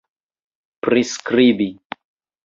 priskribi